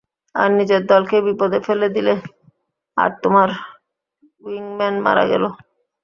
আর নিজের দলকে বিপদে ফেলে দিলে আর তোমার উইংম্যান মারা গেলো।